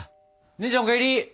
姉ちゃんお帰り！